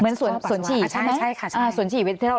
อีกจุดหนึ่งจาก